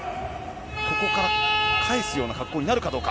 ここから返すような格好になるかどうか。